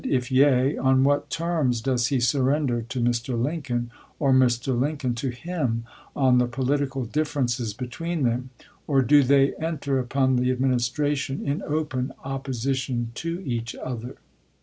If yea, on what terms does he surrender to Mr. Lincoln, or Mr. Lincoln to him, on the political differences between them, or do they enter upon the administration in open opposition to each other